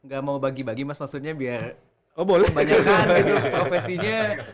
gak mau bagi bagi mas maksudnya biar kebanyakan ya tuh profesinya